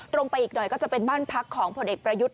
ไปอีกหน่อยก็จะเป็นบ้านพักของผลเอกประยุทธ์